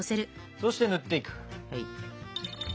そして塗っていく。